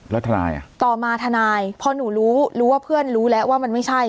แล้วทนายอ่ะต่อมาทนายพอหนูรู้รู้ว่าเพื่อนรู้แล้วว่ามันไม่ใช่